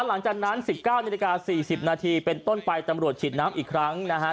หลังจากนั้น๑๙นาฬิกา๔๐นาทีเป็นต้นไปตำรวจฉีดน้ำอีกครั้งนะฮะ